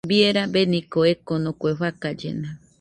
Bie rabeniko ekoko, kue fakallena